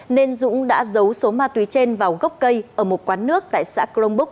nên dũng đã giấu số ma túy trên vào gốc cây ở một quán nước tại xã crong búc